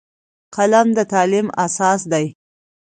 قلم د تعلیم اساس دی